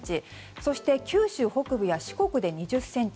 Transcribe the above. そして九州北部や四国で２０ｃｍ